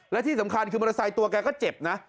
และที่สำคัญคือมอเตอร์ไซค์ตัวแกก็เจ็บนะ